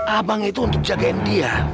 abang itu untuk jagain dia